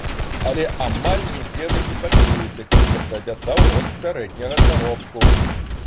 Але амаль нідзе вы не пачуеце, каб нехта абяцаў рост сярэдняга заробку.